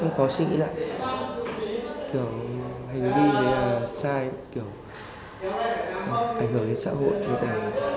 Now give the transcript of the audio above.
em có suy nghĩ lại kiểu hành vi này là sai kiểu ảnh hưởng đến xã hội như là